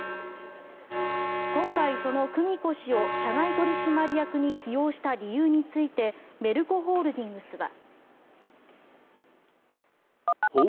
今回、その久美子氏を社外取締役に起用した理由についてメルコホールディングスは。